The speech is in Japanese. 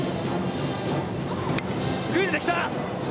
スクイズで来た！